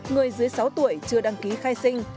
người dưới sáu tuổi chưa đăng ký khai sinh